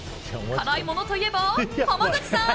辛いものといえば、濱口さん